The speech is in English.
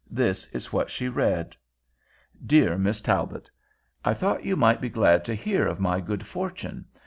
This was what she read: DEAR MISS TALBOT: I thought you might be glad to learn of my good fortune.